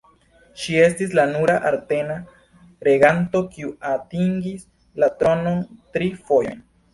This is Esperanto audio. Ŝi estis la nura armena reganto kiu atingis la tronon tri fojojn.